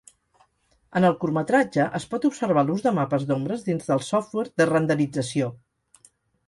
En el curtmetratge, es pot observar l’ús de mapes d’ombres dins del software de renderització.